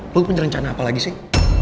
lo penyerencana apa lagi sih